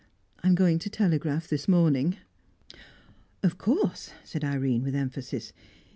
I'm going to telegraph this morning." "Of course," said Irene, with emphasis.